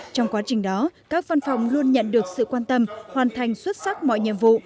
trong quá trình đó các văn phòng luôn nhận được sự quan tâm hoàn thành xuất sắc mọi nhiệm vụ